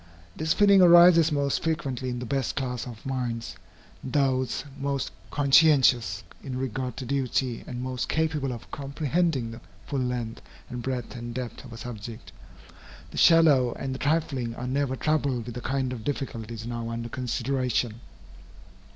This feeling arises most frequently in the best class of minds, those most conscientious in regard to duty and most capable of comprehending the full length and breadth and depth of a subject. The shallow and the trifling are never troubled with the kind of difficulties now under consideration.